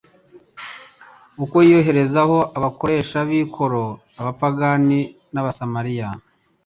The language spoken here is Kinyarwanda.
Uko yireherezaho abakoresha b'ikoro, abapagani n'abasamaliya,